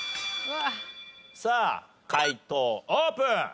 さあ解答オープン！